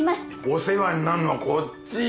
お世話になるのはこっち。